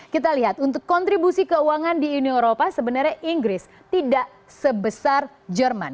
kita lihat untuk kontribusi keuangan di uni eropa sebenarnya inggris tidak sebesar jerman